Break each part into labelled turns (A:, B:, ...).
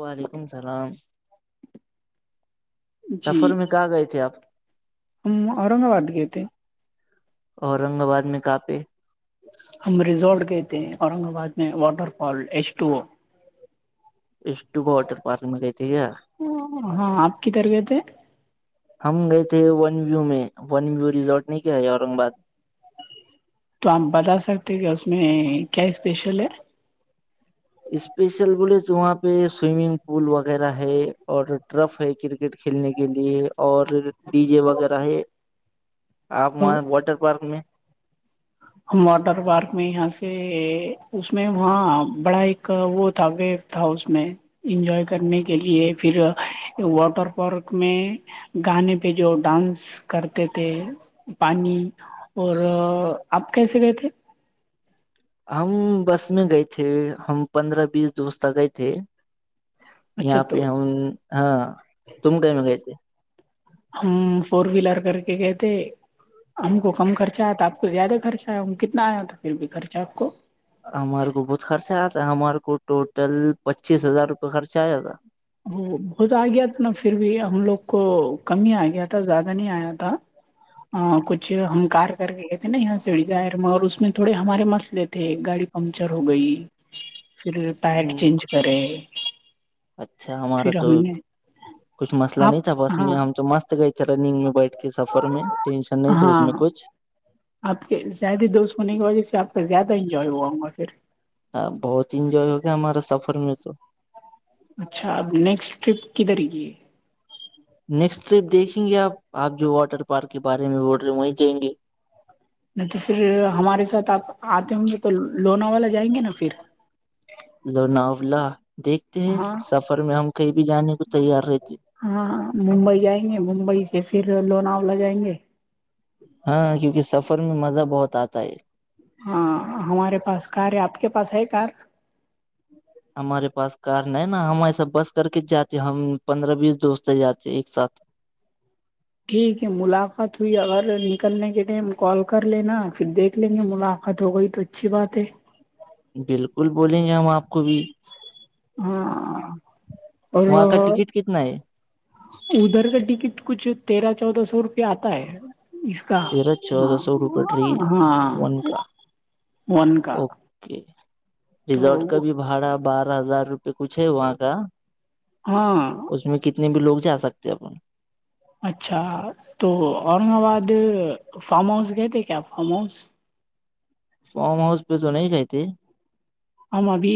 A: وعلیکم السلام سفر
B: جی
A: میں کہاں گئے تھے آپ
B: ہم اورنگباد گئے تھ
A: اورنگ آباد میں کافی
B: ہم ریزورٹ گئے تھے اورنگ آباد میں water fall H two O
A: اسٹوبا واٹر پارک میں گئے تھے کیا
B: ہاں آپ کی تربیت ہے
A: ہم گئے تھے ون ویو میں ون ویو ریزورٹ نہیں کیا ہے اورنگ آباد میں
B: تو آپ بتا سکتے کہ اس میں کیا اسپیشل ہے
A: اسپیشل بولے وہاں پہ سوئمنگ پول وغیرہ ہے اور ٹرف ہے کرکٹ کھیلنے کے لیے اور ڈی جے وغیرہ ہے آپ وہاں واٹر پارک میں
B: ہم واٹر پارک میں یہاں سے اس میں وہاں بڑا ایک وہ تھا پ تھا اس میں انجوائے کرنے کے لیے پھر واٹر پارک میں گانے پہ جو ڈانس کرتے تھے پانی اور آپ کیسے گئے تھے
A: ہم بس میں گئے تھے ہم پندرہ بیس دوست آ گئے تھے
B: اچھا
A: یہاں پہ
B: تو
A: ہن ہاں تم کو مگ تھ
B: ہم فور ویلر کر کے کہتے ہم کو کم خرچہ آیا تو آپ کو زیادہ خرچہ آ ہم کتنا آیا تو پھر بھی خرچہ آپ کو
A: ہمارے کو بہت خرچہ آا ہے ہمارے کو ٹوٹل پچیس ہزار روپے خرچہ آ جاتا
B: وہ بہت آ گیا تھا نا پھر بھی ہم لوگ کو کم ہی آ گیا تھا زیادہ نہیں آیا تھا کچھ ہم کار کر گئے تھے نا یہاں سڑی گائر میں اور اس میں تھوڑے ہمارے مسئے تھے گاڑی پنچر ہو گئی پھر پڈ چینج کرے
A: اچھا ہمارا
B: پھر
A: تو
B: ہم نے
A: کچھ مسئلہ نہیں
B: آپ
A: تھا بس
B: ہاں
A: میں ہم تو مست گئے تھے رننگ میں بیٹھ کے سفر میں ٹینشن نہیں تھا اس
B: ہاں
A: میں کچھ
B: آپ کے زیادہ دوست ہونے کی وجہ سے آپ کا زیادہ انجوائے ہوا ہوں گا پھر
A: ہ بہت انجوائے ہو گیا ہمارا سفر میں تو
B: اچھا اب نیکسٹ ٹرپ کدھر یہ
A: نیکسٹ ٹرپ دیکھیں گے آپ آپ جو واٹر پارک کے بارے میں بول رہے ہیں وہیں جائیں گے
B: نہیں تو پھر ہمارے ساتھ آپ آتے ہوں گے تو لونا والا جائیں گے نا پھر
A: لوناولہ دیکھتے ہیں
B: ہاں
A: سفر میں ہم کہیں بھی جانے کو تیار رہتے
B: ہاں ممبئی جائیں گے ممبئی سے پھر لوناؤ ل جائیں گے
A: ہاں کیونکہ سفر میں مزہ بہت آتا ہے
B: ہاں ہمارے پاس کار ہے آپ کے پاس ہے کار
A: ہمارے پاس کار نہیں نا ہم ایسا بس کر کے جاتے ہم پندرہ بیس دوست جاتے ایک ساتھ
B: ٹھیک ہے ملاقات ہوئی اگر نکلنے کے ٹائم کال کر لینا پھر دیکھ لیں گے ملاقات ہو گئی تو اچھی بات ہے
A: بالکل بولیں گے ہم آپ کو بھی
B: ہاں
A: وہاں کا
B: اور
A: ٹکٹ کتنا ہے
B: ادھر کا ٹکٹ کچھ تیرہ چودہ سو روپے آتا ہے اس
A: تیرہ چودہ سو روپئے ٹری
B: ہاں
A: ون کا
B: ون کا
A: ریزورٹ کا
B: تو
A: بھی بھاڑا بارہ ہزار روپ پہ کچھ ہے وہاں کا
B: ہاں
A: اس میں کتنے بھی لوگ جا سکتے اپ
B: اچھا تو اورنگ آباد فارم ہاؤس گئے تھے کیا فارم ہاؤس
A: فارم ہاؤس پہ تو نہیں کہ تھ
B: ہمم ابھی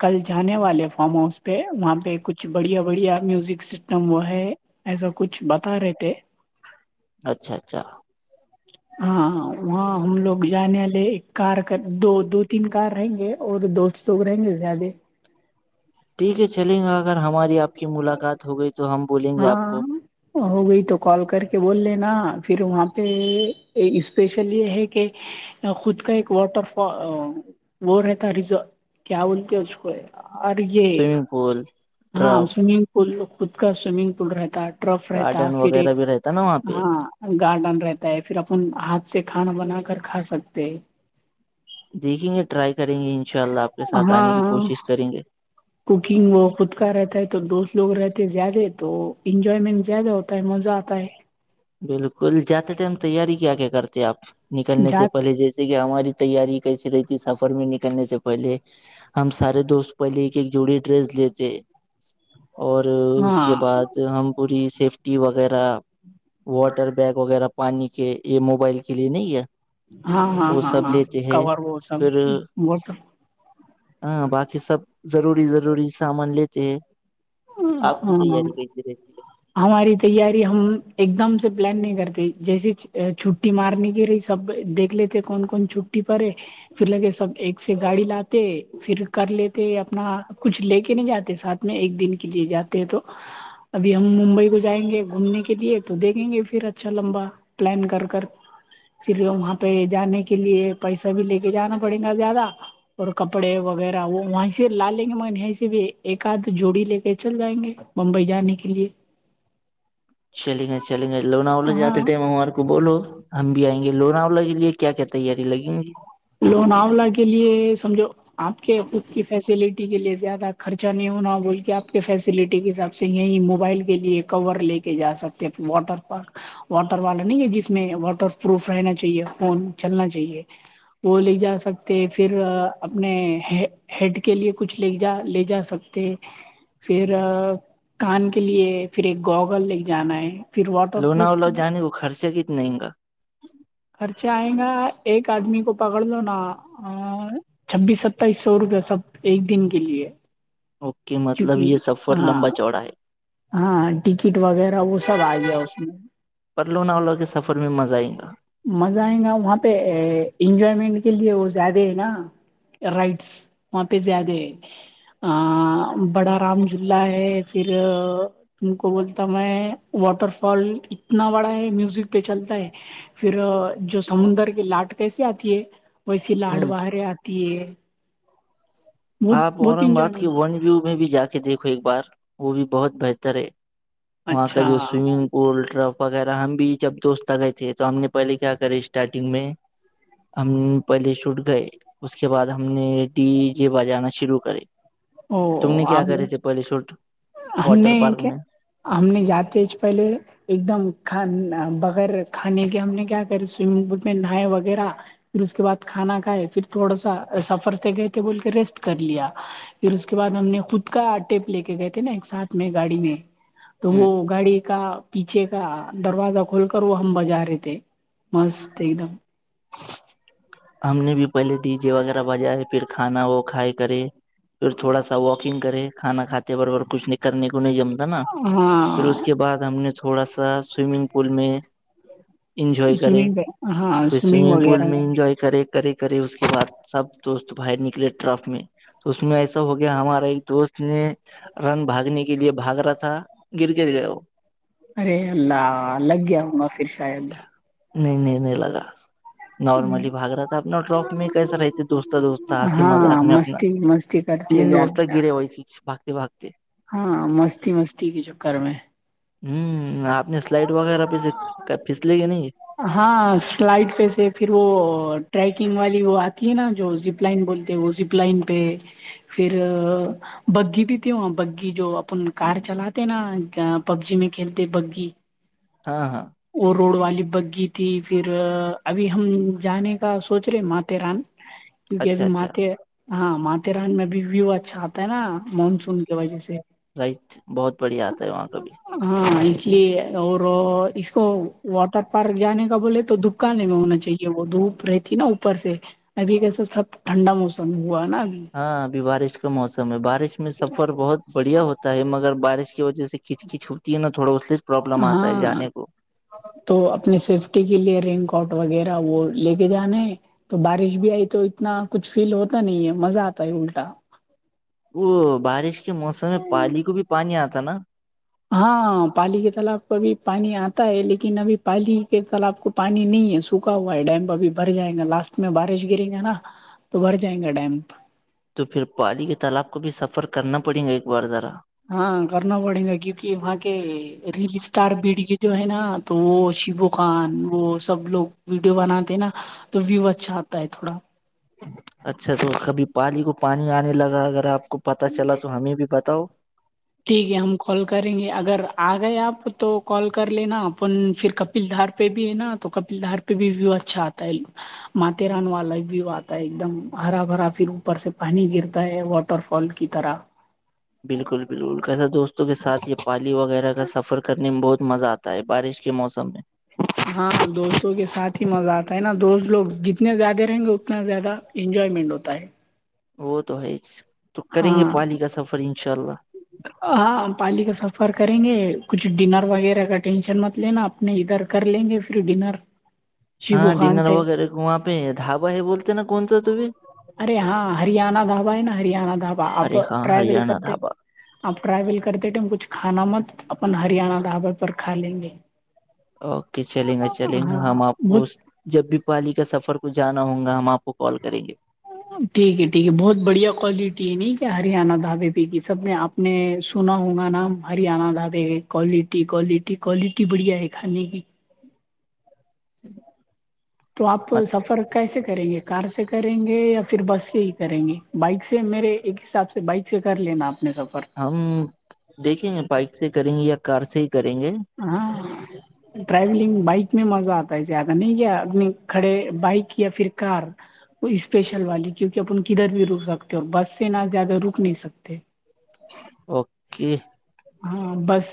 B: کل جانے والے فارم ہاؤس پہ وہاں پہ کچھ بڑھیا بڑھیا میوزک سسٹم وہ ہے ایسا کچھ بتا رہے تھے
A: اچھا اچھا
B: ہاں وہاں ہم لوگ جانے والے ایک کار دو دو تین کار رہیں گے اور دو سوگ رہیں گے زیادہ
A: ٹھیک ہے چلیں گا اگر ہماری آپ کی ملاقات ہو گئی تو ہم بولیں گے آپ
B: ہاں
A: کو
B: ہو گئی تو کال کر کے بول لینا پھر وہاں پہ اسپیشل یہ ہے کہ خود کا ایک واٹر فال وہ رہتا ریز کیا بولتے اس کو اور یہ
A: سوئمنگ پول
B: ہاں
A: ٹرف
B: سوئمنگ پول خود کا سوئمنگ پول رہتا ہے ٹراف رہتا
A: گارڈن
B: پھر
A: وغیرہ
B: ایک
A: بھی رہتا نا وہاں پہ
B: ہاں گارڈن رہتا ہے پھر اپن ہاتھ سے کھانا بنا کر کھا سکتے ہیں
A: دیکھیں گے ٹرائی کریں گے ان شاء اللہ آپ کے ساتھ آنے کی
B: ہاں
A: کوشش کریں گے
B: کوکنگ وہ خود کا رہتا ہے تو دوست لوگ رہتے زیادہ تو انجوائمنٹ زیادہ ہوتا آت مزہ آتا ہے
A: بالکل جاتے ٹائم تیاری کیا کیا کرتے آپ نکلنے سے
B: جات
A: پہلے جی جیسے کہ ہماری تیاری کیسی رہی تھی سفر میں نکلنے سے پہلے ہم سارے دوست پہلے ایک ایک جوڑی ڈریس لیتے اور اس کے
B: ہاں
A: بعد ہم پوری سیفٹی وغیرہ واٹر بیگ وغیرہ پانی کے یہ موبائل کے لیے نہیں ہے
B: ہاں ہاں
A: وہ
B: ہاں
A: سب
B: ہاں
A: لیتے ہیں
B: کور وہ سب
A: پھر
B: بت
A: ہاں باقی سب ضروری ضروری سامان لیتے ہیں
B: ہ
A: آپ کی
B: ہاں
A: تیاری کیسی رہتی ہے
B: ہماری تیاری ہم ایک دم سے پلان نہیں کرتے جیسے چھٹی مارنے کی رہی سب دیکھ لیتے کون کون چھٹی پے پھر لگے سب ایک سے گاڑی لاتے پھر کر لیتے اپنا کچھ لے کے نہیں جاتے ساتھ میں ایک دن کے لیے جاتے تو ابھی ہم ممبئی کو جائیں گے گھومنے کے لیے تو دیکھیں گے پھر اچھا لمبا پلان کر کر چلیے وہاں پہ جانے کے لیے پیسہ بھی لے کے جانا پڑے گا زیادہ اور کپڑے وغیرہ وہ وہیں سے لا لیں گے م یہیں سے بھی ایک آدھ جوڑی لے کے چل جائیں گے ممبئی جانے کے لیے
A: چلیں گا چلیں گا لوناوولے
B: ہاں
A: جاتے ٹائم ہمارے کو بولو ہم بھی آئیں گے لوناوا کے لیے کیا کیا تیاری لگیں گی
B: لوون آو ل کے لیے سمجھو آپ کے خود کی فیسلٹی کے لیے زیادہ خرچہ نہیں ہونا بول کے آپ فیسلٹی کے حساب سے یہیں موبائل کے لیے کور لے کے جا سکتے واٹر پارک واٹر والا نہیں ہے جس میں واٹر پروف رہنا چاہیے فون چلنا چاہیے وہ لے جا سکتے پھر اپنے ہیڈ کے لیے کچھ لے جا لے جا سکتے پھر کان کے لیے پھر ایک گوگل لے کے جانا ہے پھر واٹر
A: لونا
B: پروف
A: وولا جانے کو خرچے کتنے گا
B: خرچے آئ گا ایک آدمی کو پکڑ لو نا اور چھبیس ستائیس سو روپیہ سب ایک دن کے لیے
A: اوکے [inaudible]
B: چونکہ
A: یہ سفر
B: ہاں
A: لمبا چوڑا ہے
B: ہاں ٹکٹ وغیرہ وہ سب آ گیا اس میں
A: پرلوناولا کے سفر میں مزہ آئےیں گا
B: مزہ آئے گا وہاں پہ انجوائمنٹ کے لیے وہ زیادہ ہے نا رائٹس وہاں پہ زیادہ ہ بڑا رام جھولا ہے پھر تم کو بولتا میں واٹر فال اتنا بڑا ہے میوزک پہ چلتا ہے پھر جو سمندر کی لاٹ کیسے آتی ہے ویسی لاٹ
A: ہوں
B: باہرے آتی ہے
A: آپ
B: بہت بہت
A: اورنگ آباد کے
B: انجوائے
A: ون ویو میں بھی جا کے دیکھو ایک بار وہ بھی بہت بہتر ہے وہاں کا
B: اچھا
A: جو سوئمنگ اولٹرف وغیرہ ہم بھی جب دوست آ گئے تھے تو ہم نے پہلے کیا کرے اسٹارٹنگ میں ہم پہلیے شوٹ گئے [unintelligible] اس کے بعد ہم نے ڈی جے بجانا شروع کرے
B: او
A: تم نے کیا
B: آپ
A: کرے تھے پہلی سوٹ [inaudible]
B: ہم نے کیا ہم نے جاتے پہلے ایک دم کان بغیر کھانے کے ہم نے کیا کر سوئمنگ پول پ نہائے وغیرہ پھر اس کے بعد کھانا کھائے پھر تھوڑا سا سفر سے گئے تھے بول کے ریسٹ کر لیا پھر اس کے بع ہم نے خود کا ٹیپ لے کے گئے تھ تھے نا ایک ساتھ میں گاڑی میں تو وہ
A: ہ
B: گاڑی کا پیچھے کا دروازہ کھول کر وہ ہم بجا رہے تھے مست ایک دم
A: ہم نے بھی پہلے ڈی جے وغیرہ بجائے پھر کھانا وہ کھائے کرے پھر تھوڑا سا واکنگ کرے کھانا کھاتے برابر کچھ نہیں کرنے کو نہیں جمتا نا پھر
B: ہوں
A: اس کے بعد ہم نے تھوڑا سا سوئمنگ پل میں انجوائے کرے
B: سوئمنگ ہاں
A: پھر سوئمنگ پول
B: وغیرہ
A: میں انجوائے کرے کرے کرے اس کے بعد سب دوست باہر نکلے ٹرف میں تو اس میں ایسا ہو گیا ہمارا ایک دوست نے رن بھاگنے کے لیے بھاگ رہا تھا گر گر گیا وہ
B: ارے اللہ لگ گیا ہوں گا پھر شاید
A: نہیں نہیں نہیں لگا نارملی ھگ رہا تھا اپناراپ میں کیسا رہتے دوست دوست ہ مذاق
B: ہاں
A: میں اپنا
B: مستی مستی کرتی ہے
A: تین دوست
B: زیادہ،
A: گرے وئیس باگتے باگتے
B: ہاں مستی مستی کے چکر میں
A: ہوں آپ نے سلائڈ وغیرہ پہ سے پھیس لی کہ نہیں
B: ہاں سلائڈ پہ سے پھر وہ ٹریکنگ والی وہ آتی ہے نا جو زپ لائن بولتے ہیں وہ ز لائن پہ فھر بگگی بھی ت ہو بگگی جو اپن کار چلاتے نا پب جی میں کھیلتے بگی
A: ہاں ہاں
B: وہ روڈ والی بگی تھی پھر ابھی ہم جانے کا سوچ رہے مات ران
A: [inaudible] [inaudible]
B: کیونکہ ابھی
A: اچھا
B: ماتے ہاں ماتھے ران میں بھیب ویو اچھا آتا ہے نا مانسون کی وجہ سے
A: رائٹ بہت بڑھیا آتا ہے وہاں کا بھی
B: ہاں اس لیے اور اس کو واٹر پارک جانے کا بولے تو دپ دکانے میں ہونا چاہیے وہ دھوپ رہی تھی نا اوپر سے ابھی کیسے سب ٹھنڈا موسم ہوا نا اب
A: ہاں ابھی بارش کا موسم ہے بارش میں سفر بہت بڑھیا ہوتا ہے مگر بارش کی وجہ سے کھچ کچ ہوتی ہے ناوڑا ب صرف
B: ہاں تو اپنی سیفٹی کے لیے رینین کوٹ وغیرہ وہ لے کے جانا ہے تو بارش بھی آئی تو اتنا کچھ فیل ہوتا نہیں ہے مزہ آتا ہے الٹا
A: وہ بارش کے موسم میں پالی کو بھی پانی آتا نا
B: ہاں پالی کے تالاب ابھی پانی آتا ہے لیکن ابھی پالی پ کل آپ کو پانی نہیں ہے سوکھا ہوا ہے ڈیم اب بھر جائے گا لاسٹ میں بارش گرے گا نا تو بھر جائیں گا ڈیم
A: تو پھر پالی کے تالاب کو بھی سفر کرنا پڑیں گا ایک بار ذرا
B: ہاں کرنا پڑے گا کیوںکہ وہاں کے ریل اسٹار بیڈ کے جو ہے نا تو وہ شیبو خان وہ سب لوگ ویڈیو بناتے نا تو ویو اچھا آتا ہے تھوڑا [unintelligible]
A: [inaudible] [inaudible] اچھا تو کبھی پالی کو پانی آنے لگا اگر آپ کو پتہ چلا تو ہمیں بھی بتاؤ
B: ٹھیک ہے ہم کال کریں گے اگر آ گئے آپ تو کال کر لینا اپن پھر کب پلدار پہ بھی ہے نا تو پلدار پہ بھی ویو اچھا آتا ہے ماتاتے ران والا بھی آتا ہے ایک دم ہرا بھرا پھر اوپر سے پانی گرتا ہے طرفن کی طرح
A: بالکل بالکل کیسے دوستوں کے ساتھ یہ پالی وغیرہ کا سفر کرنے میں بہت مزہ آتا ہوتا ہے بارش کے موسم میں
B: ہاں دوستوں کے ساتھ ہی مزہ آتا ہے نا دوست لوگ جتنے زیادہ رہیں گے اتنا زیادہ انجوائمنٹ ہوتا ہے
A: وہ تو ہے تو کریں گے
B: ہاں
A: پانی کا سفر انشاء اللہ
B: ہاں ہم پالی کا سفر کریں گے کچھ ڈنر وغیرہ کا ٹینشن مت لینا آپ نہیں ادھر کر لیں گے پھر ڈنر
A: ہاں
B: شیبو خان
A: ڈنر
B: سے
A: وغیرہ وہاں پہ ڈھابا ہے بولتے ہیں نا کون سا ت بھی
B: ارے ہاں ہریانہ ڈھابا ہے نا ہریانہ ڈھابا اب
A: ارے ہاں
B: ٹریول کر
A: ہریانہ
B: د
A: ڈھابا
B: آپ ٹریل کرتے ٹ کچھ کھانا مت اپ ہریانہ ڈابر پر کا لیں گے
A: اوکے چلیں گا چلیں گا
B: ہاں
A: ہم آپ کو
B: بہت
A: جب بھی پالی کا سفر کوچھ جانا ہوگا ہم آپ کو کال کریں گے
B: ٹھیک ہے ٹھیک ہے بہت بڑھیا کوالٹی ہے ن کیا ہریانہ دھابے پ کی سب میں آپ نے سنا ہونا نام ہرییاان د بھی ہے کولٹی کوالٹی کوالٹی بڑھیا ہے کھانے کی تو آپ سفر کیسے کریں گے کار سے کریں گے یا پھر بس سے ہی کریں گے بائک سے میرے ایک حساب سے بائک سے کر لینا اپنے سفر
A: ہم دیکھیں گے بائک سے کریں گے یا کار سے ہی کریں گے
B: ہاں ٹریولنگ بائک میں مزہ آتا ہے زیادہ نہیں کیا انی کھڑے بائک یا پھر کار اسپیشل والی کیونکہ اپن کدھر بھی رک سکتے ہو بس سے نہ زیادہ رک نہیں سکتے
A: اوکے
B: ہاں بس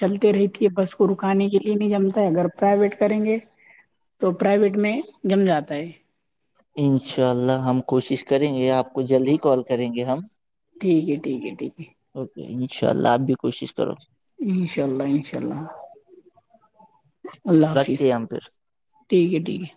B: چلتے رہ کہ بس کو رکانے کے لیے نہیں جمتا ہے اگر پرائیویٹ کریں گے تو پرائیویٹ میں جم جاتا ہے
A: انشاء اللہ ہم کوشش کریں گے آپ کو جلد ہی کال کریں گے ہم
B: ٹھیک ہے ٹھیک ہے ٹھیک
A: اوکے انشاء اللہ آپ بھی کوشش کرو
B: انشاء اللہ انشاء اللہ اللہ
A: رکھتے ہیں
B: حافظ
A: ہم پھر
B: ٹھیک ہے ٹھیک ہے